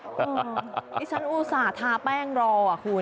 อื่นนี่ชั้นอุตส่าห์ทาแป้งรอว่ะคุณ